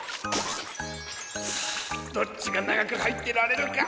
どっちがながくはいってられるか。